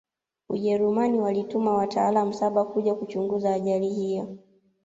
ujerumani walituma wataalamu saba kuja kuchunguza ajari hiyo